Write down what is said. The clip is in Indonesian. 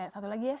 satu lagi ya